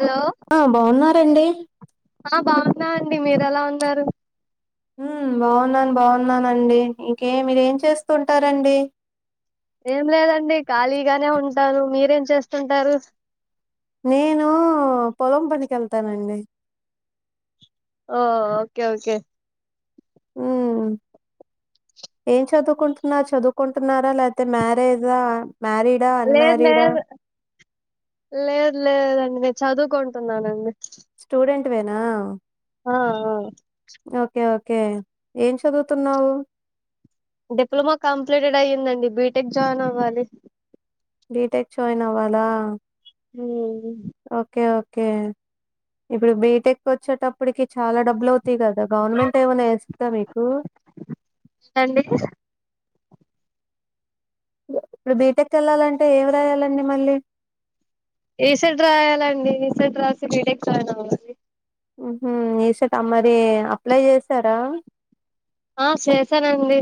Hello ఆ బాగున్నారండి. బాగున్నా అండి మీరు ఎలా ఉన్నారు బాగున్నాను బాగున్నానండి ఇంకే మీరు ఏం చేస్తుూంటారంండి ఏం లేదండి ఖాళీగానే ఉంటాను మీరేం చేస్తుంటారు నేను పొలం పనికి వెళ్తానండి ఆ ఓకే ఓకే ఉ ఏం చదువుకుంటున్న చదువుకుంటున్నారా లేపోతే మ్యారేజా మ్యరీడాడా లేదు అన్మరీడాడా లేదు లేదు లేదండి నేను చదువుకుంటున్నానండి స్టూడెంట్ ేనా ఆ ఓకే ఓ కే ఏం చదువుతున్నావు డిప్లమా కంప్లీటెడ్ అయ్యిందండి బీటెక్ జాయిన్ అవ్వాలి బీటెక్ జాయిన్ అవ్వాలా ఉం ఓకే ఓకే ఇప్పుడు బీటెక్ వచ్చేటప్పటికి చాలా డబ్బులు అవుతాయి కదా గవర్నమెం ట్ ఏవన్నా ఎస్తదా మీకు అండి ఇప్పుడు బీటెక్ వెళ్లాలంటే ఏమి రాయాలండి మళ్ళీ ఏసెట్ రాయాలండి ఏ సెట్ రాసి బీటెక్ జాయిన్ అవ్వాలి ఉహుం ఎ సెట్ ఆ మరి అప్లై చేసారా ఆ చేసారండి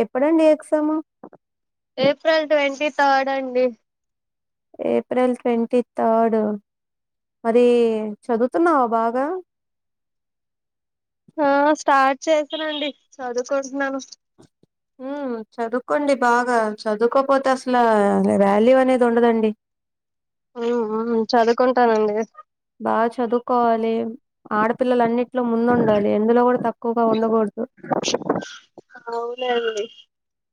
ఎప్పుడండి ఎక్సాము ఏప్రిల్ ట్వంటీ థర్డ్ అండి ఏప్రిల్ ట్వంటీ థర్డ్ మరి చదువుతున్నావా బాగా ఆ స్టార్ట్ చేసానండి చదువుకుంటున్నాను ఉం చదువుకోండి బాగా చదువుకోపోతే అసల వాల్యూ అనేది ఉండదండి ఉమ్, ఉమ్, చదువుకుంటానండి బాగా చదువుకోవాలి ఆడపిల్లల అన్నింటిలో ముందుండాలి ఎందులో కూడా తక్కువగా ఉండకూడదు అవునండి [inaudible]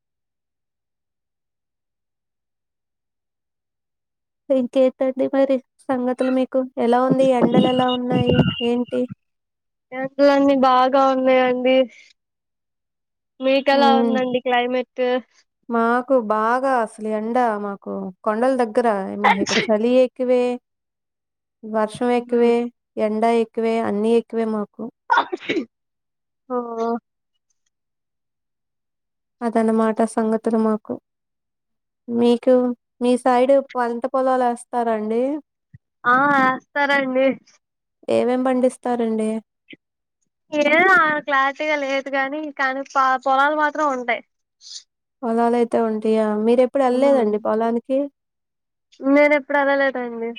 ఇంకేంతండి మరి సంగతులు మీకు ఎలా ఉంది ఎండలు ఎలా ఉన్నాయి ఏంటి ఎండలన్నీ బాగా ఉన్నాయండి మీకు ఎలా ఉమ్ ఉందండి క్లైమేట్ ట్ మాకు బాగా అసలు ఎండ మాకు కొండల దగ్గ రా మాహఇ చలి క్వే వర్షం ఎక్కువే ఎండా ఎక్ క్కువే అన్ని ఎక్కువే మా [inaudible] ఆ అదన్నమాట సంగతులు మాకు మీకు మీ సైడు పంట పొలాలు వేస్తారండి ఆ ఎస్తారండి ఏమేం పండిస్తారండి ఏమో క్లారిటీగా లేదు గాని కానీ ప పొలాలు మాత్రం ఉంటాయి పొలాలు అయితే ఉంటాయా మీర ఎప్పుడు వెల్లలేదండి పొలానికి నేను ఎప్పుడు ఎల్లలేదండి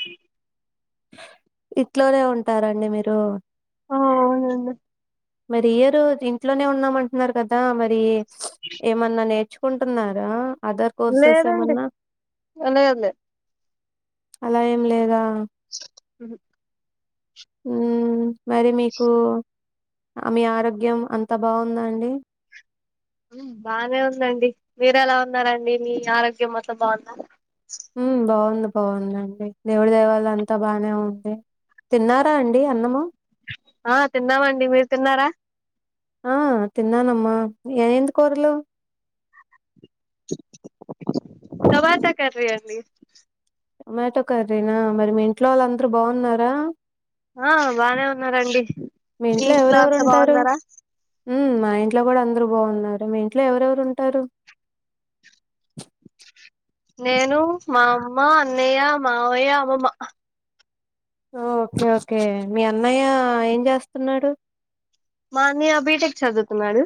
ఇట్లోనే ఉంటారండి మీరు ఆ అవునండి మరి ఇయర్ ఇంట్లోనే ఉన్నామ అంటున్నారు కదా మరి ఏమన్నా నే తెచ్చుకుంటున్నారా లేదండి లేదులేదు అలా ఏం లేదా ఆ ఉహుమ్ ఉమ్ మరి మీకు మీ ఆరోగ్యం అంత బాగుందా అండి ఉమ్ బాగానే ఉందండి మీరు ఎలా ఉన్నారండి మీ ఆరోగ్యం మొత్తం బాగుందా ఉమ్ బాగుంది బాగానే ఉందండి ఆ తిన్నామండి మీరు తిన్నారా ఆ తిన్నానమ్మా ఎంటి కూరలు టమోటో కర్రి అండి టొమాటో కర్రీనా మరి మీ ఇంట్లో వాళ్ళు అందరూ బాగున్నారా ఆ బానే ఉన్నారండి మీ ఇంట్లో అంతా బాగున్నారా ఉమ్ మా ఇంట్లో కూడా అందరు బాగున్నారు మీ ఇంట్లో ఎవరెవరు ఉంటారు నేను మా అమ్మ అన్నయ్య మావయ్య అమ్మమ్మ ఓకే ఓకే మీ అన్నయ్య ఏం చేస్తున్నాడు మా అన్నయ్య బిటెక్ చదువుకున్నాడు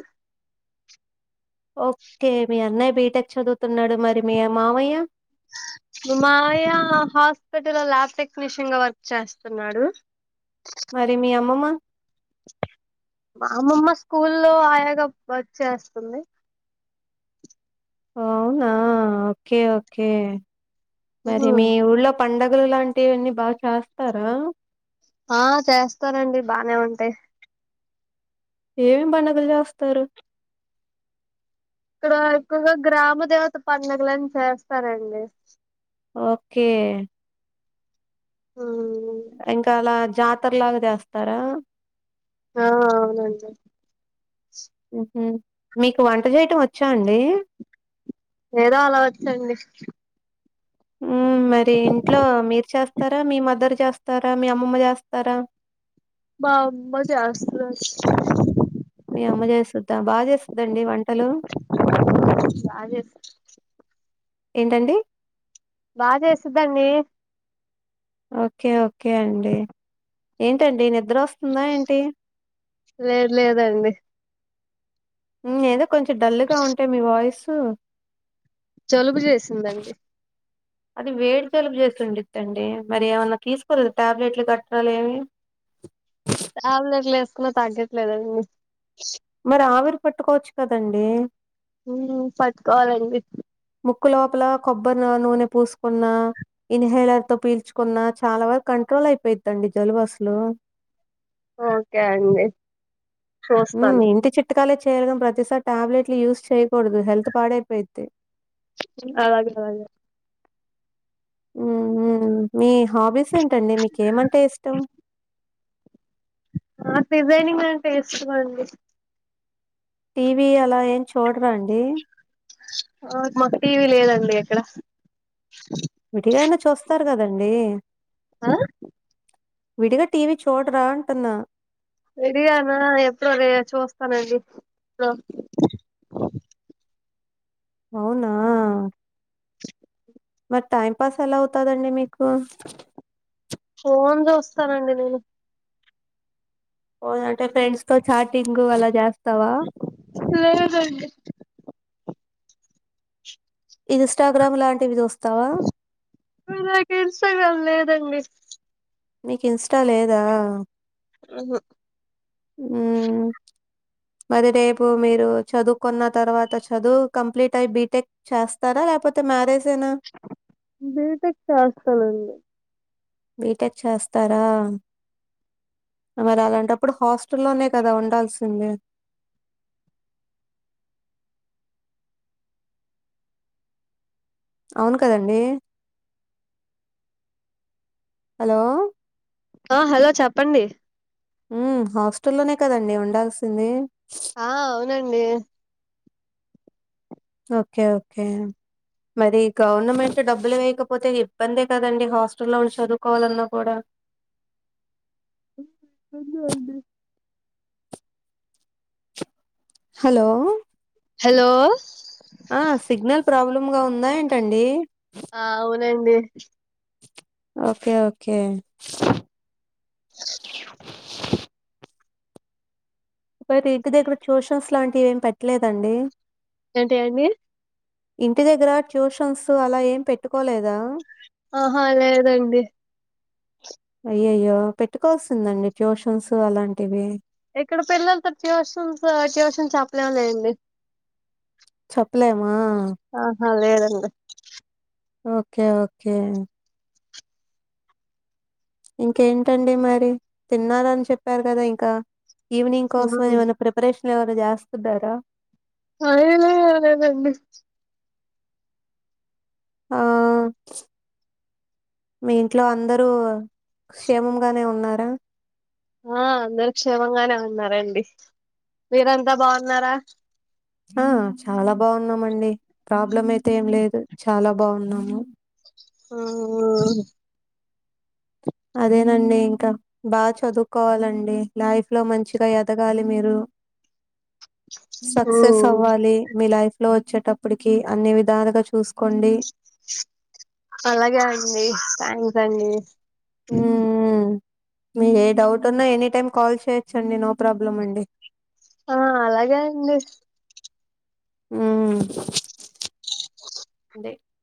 ఓకే మీ అన్నయ్య బీటెక్ చదువుతున్నాడు మరి మీ మావయ్య మీ మామయ్య హాస్పిటల్ లో ల్యాబ్ టెక్నీషియన్ గా వర్క్ చేస్తన్నాడు మరి మీ అమ్మమ్మ? మా అమ్మమ్మ స్కూల్ లో ఆయాగా వర్క చేస్తుంది అవునా ఓకే ఓకే మరి మీ ఉళ్ళో పండగలు లాంటివన్నీ బాగా చేస్తారా ఆ చేస్తారండి బానే ఉంటాయి ఏమి పండగలు చేస్తారు ఇక్కడ ఎక్కువగా గ్రామ దేవత పండగలని చేస్తారండి ఓకే ఇంకా అలా జా తర్లాగా చేస్తారా ఆ అవునండీ ఉహుమ్ మీకు వంట చేయటం వచ్చా అండి ఏదో అలా వచ్చు అండి ఉమ్ మరి ఇంట్లో మీరు చేస్తారా మీ మదర్ చేస్తారా మీ అమ్మమ్మ చేస్తారా మా అమ్మ చేస్తదండి మీ అమ్మ చేస్తది బాగా చేస్తదండి వంటలు బాగా చేస్త ఏంటండి బాగా చేసిద్దండి ఓకే ఓకే అండి ఏంటండి నిద్ర వస్తుందా ఏంటి లేదు లేదండి ఉ ఏదో కొంచెం డల్ గా ఉంటే మీ వాయిస్ ఉ జలుబు చేసిందండి అది వేడి జలుపు చేసిండిద్దండి మరి ఏమన్నా తీసుకోలేదు టాబ్లెట్లు గట్ర ఏమి టాబ్లెట్లు ఏసుకున్నా తగ్గట్లేదండి మరి ఆవిరి పట్టుకోవచ్చు కదండి ఊమ్ పట్టుకోవాలండి ముక్కు లోపల కొబ్బరి నూనె పూసుకున్న ఇన్హేలర్ తో పీల్చుకున్న చాలా వరకు కంట్రోల్ అయిపోయిద్దండి జలుబసలు ఓకే అండి ఉ చూస్తాను ఇంటి చిట్ కాలే చిట్ చేయడం ప్రతిసారి టాబ్లెట్లు యూజ్ చేయకూడదు హెల్త్ పాడైపోయిద్ది అలాగే అలాగే ఊమ్ మీ హాబీస్ ఏంటండి మీకేమంటే ఇష్టం నాకు డిజైనింగ్ అంటే ఇష్టం అండి టీవీ అలా ఏం చూడరా అండి ఒ మాకు టీవీ లేదండి ఎక్కడ ఉదయానే చూస్తారు కదండీ విడిగా టీవీ చూడరా అంటున్నా విడిగానా ఎప్పుడో రే చూస్తానండి అవునా మరి టైం పాస్ ఎలా అవుతదండి మీకు ఫోన్ చూస్తానండి నేను ఓ అంటే ఫ్రెండ్స్తో చాటింగు ఎలా జాస్ లేదండి చుక్ప [unintelligible] ఇన్స్టాగ్రామ్ లాంటివి జూస్ అయ్యో నాకు ఇంస్టగ్రామ్ లేదు దండి నీకు ఇంస్టా లేదా ఉహు ఊ అది రేపు మీరు చదువుకున్న తర్వాత చదువు కంప్లీట్ అయి బీటెక్ చేస్తారా లేకపోతే మ్యారేజ్ బీటెక్ చేస్తాలెండి బీటెక్ చేస్తారా మరి అలాంటప్పుడు హాస్టల్లోనే కదా ఉండాల్సిందే అవును కదండి హలో ఆ హలో చెప్పండి ఉ హాస్టల్లోనే కదండి ఉండాల్సింది ఆ అవునండి ఓకే ఓకే మరి గవర్నమెంట్ డబ్బులు వేయకపోతే ఇబ్బందే కదండి హాస్టల్లో ఉండి చదువుకోవాలన్నా కూడా కొందు అండి హలో హలో ఆ సిగ్నల్ ప్రాబ్లమ్ గా ఉందా ఏంటండి చుప్ ఓకే ఓకే చరప్ ఒకైతే ఇంటి దగ్గర ట్యూషన్స్ లాంటివివేమి పెట్టలేదండి ఏంటి అండి ఇంటి దగ్గర ట్యూషన్స్ అలా ఏం పెట్టుకోలేదా ఆహా అ లేేదండి అయ్యయ్యో పెట్టుకోవాల్సిందండి ట్యూషన్స్ అలాంటివి ఇక్కడ పిల్లలతో ట్యూషన్స్ ట్యూషన్ చెప్పలేం లేయంండి ప్పు పప్లవా అ లేేరంట ఓకే ఓకే ఇంకేంటండి మరి తిన్నారని చెప్పారు కదా ఇంకా ఈవినింగ్ కోసం ఏమైనా ప్రిపరేషన్ ఎవరు జాస్త దారా అదేనా అదేదండి ఆ మీ ఇంట్లో అందరూ క్షేమంగాగానే ఉన్నారా ఆ అందరు క్షేమంగానే ఉన్నారండి మీర ఎంతా బాగున్నారా ఆ చాలా బాగున్నామండి ప్రాబ్లం అయితే ఏం లేదు చాలా బాగున్నాము ఆ అదేనండి ఇంకా బాగా చదువుకోవాలండి లైఫ్ లో మంచిగా ఎదగాలి మీరు సక్సెస్ ఉమ్ హవాలే మలాఫ లో వచ్చేటప్పటికి అన్ని విధాలుగా చూసుకోండి అలాగే అండి థ్యాంక్స్ అండి హ మీ ఏ డౌట్ ఉన్నా ఎనీ టైమ్ కాల్ చేయొచ్చండి నో ప్రాబ్లం అండి ఆ అలాగే అండి ఆ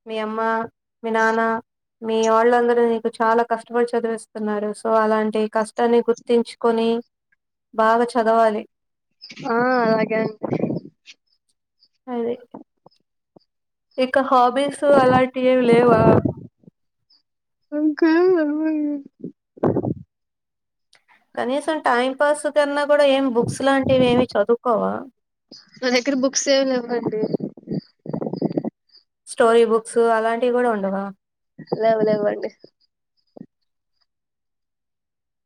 మీ అమ్మ మీ నాన్న మీ వాళ్ళందరూ నీకు చాలా కష్టపడి చదివిస్తున్నారు సో అలాంటి కష్టాన్ని గుర్తించుకొని బాగా చదవాలి ఆ అలాగే అండి అదే ఇకా హాబీస్ అలాంటి ఏవి లేవా కా కానీసం టైపాస్ కన్నా కూడా ఎం బుక్స్ లాంటివి ఏమి చదువుకోవా నా దగ్గర బుక్స్ ఏమి లేవండి [inaudible] స్టోరీ బుక్స్ అలాంటివి కూడా ఉండవా లెవ్ లేవండి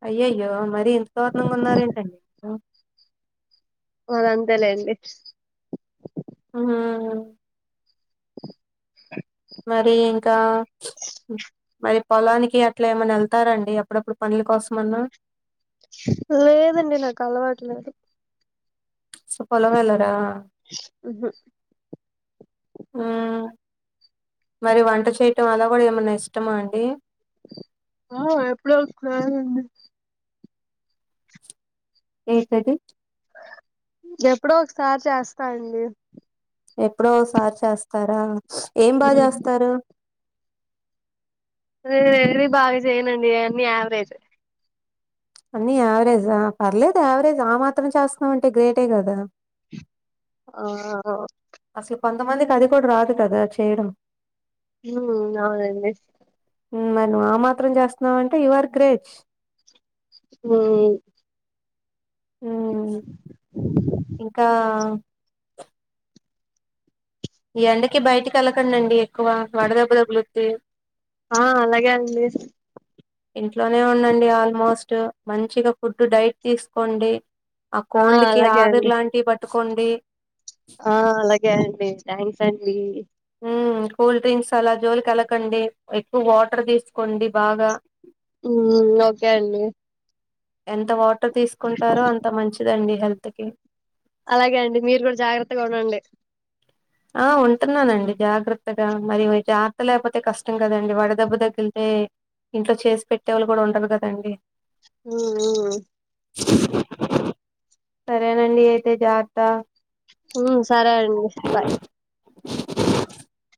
అయ్యయ్యో మర ఇంత దూారుణంగా ఉన్నారేంటండి మీరు మాదంతే లేండి హు మరి ఇంకా మరి పొలానికి అట్లా ఏమైనా వెళ్తారండి ఎప్పుడప్పుడు పనుల కోసమన్నా లేదండి నాకు అలవాటు లేదు సో పొలామేల్లరా మ్ హు హ్మ్ మరి వంట చేయటం అలా కూడా ఏమన్నా ఇష్టమా అండి ఆ ఎప్పుడో ఒక్కసారి అండి ఏంటది ఎప్పుడో ఒకసారి చేస్తా అండి ఎప్పుడో ఒసారి చేస్తారా ఏం బాగ ఉమ్ చేస్తారు నీనేది బాగా చేయనండి నయన్నీ యావరేజ్ అన్ని యావరేజ్ ఆ పర్లేదు యావరేజ్ ఆ మాత్రం చేస్తున్నావంటే గ్రేటే కదా ఆ అవ్ అసలు కొంతమందికి అది కూడా రాదు కదా చేయడం హు అవునండి హు మరి నువ్ ఆ మాత్రం చేస్తున్నావంటే యుఆర్ గ్రేట్ హు హు ఇంకా ఈ ఎండకి బయటికి వెళ్లకండండి ఎక్కువ వడదెబ్బ తగులుద్ది ఆ అలాగే అండి ఇంట్లోనే ఉండండి ఆల్మోస్ట్ మంచిగా ఫుడ్ డైట్ తీసుకోండి ఆ కోల్డ్ కి అలాగే ఆవిరి అండి లాంటియి పట్ ట్టుకొండీ ఆ అలాగే అండి థ్యాంక్స్ అండీ మ్ కూల్ డ్రింక్స్ అలా జోలికెల్లకండి ఎక్కువ వాటర్ తీసుకోండి బాగా హు ఓకే అండి ఎంత వాటర్ తీసుకుంటారో అంత మంచిదండి హెల్త్ కీ అలాగే అండి మీరు కూడా జాగ్రత్తగా ఉండండి ఆ ఉంటున్నానండి జాగ్రత్తగా మరి వి జాత్తర్ లేకపోతే కష్టం కదండి వడదెబ్బ తగిలితే ఇంట్లో చేసి పెట్టే వాళ్ళు కూడా ఉండరు కదండి మ్మ్ మ్మ్ సరేనండి అయితే జార్త ఉ సరే అండి బయ్ [unintelligible]